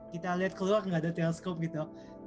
kita lihat keluar nggak ada teleskop gitu